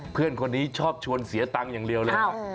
เพื่อนคนนี้ชอบชวนเสียตังค์อย่างเดียวเลย